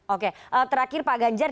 oke terakhir pak ganjar